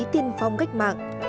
tiên phong cách mạng